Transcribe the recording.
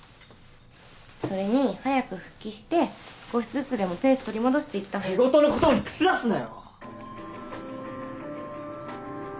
それに早く復帰して少しずつでもペース取り戻して仕事のことに口出すなよ！